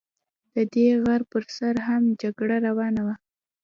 د دې غر پر سر هم جګړه روانه وه.